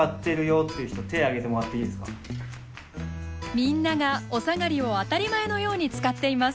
みんながおさがりを当たり前のように使っています。